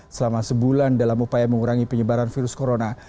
selama sebulan dalam upaya mengurangi penyebaran virus corona